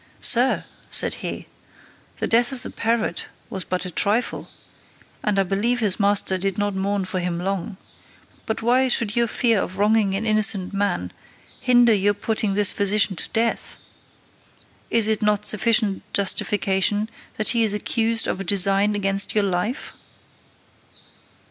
"Sir," said he, "the death of the parrot was but a trifle, and I believe his master did not mourn for him long: but why should your fear of wronging an innocent man, hinder your putting this physician to death? Is it not sufficient justification that he is accused of a design against your life?